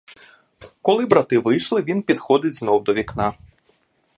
Коли брати вийшли, він підходить знов до вікна.